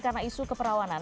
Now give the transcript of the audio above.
karena isu keperawanan